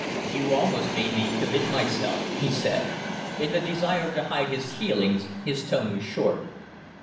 "You almost made me commit myself," he said. In the desire to hide his feelings his tone was short.